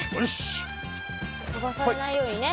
飛ばされないようにね。